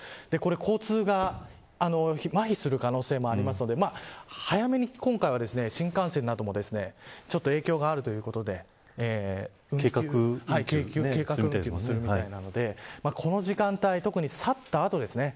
交通がまひする可能性もあるので早めに今回は新幹線などもちょっと影響があるということで計画運休をするみたいなのでこの時間帯特に去った後ですね。